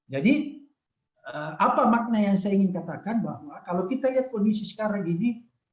jadi apa makna yang saya ingin katakan bahwa kalau kita lihat kondisi sekarang ini